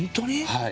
はい。